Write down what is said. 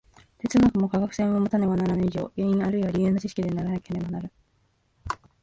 哲学も科学性をもたねばならぬ以上、原因あるいは理由の知識でなければならぬ。